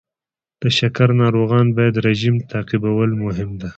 د شکر ناروغان باید رژیم تعقیبول مهم دی.